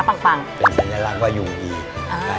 ปางนี้ปางสำเร็จ